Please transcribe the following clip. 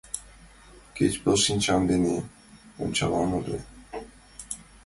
Кеч пел шинчам дене ончалам ыле...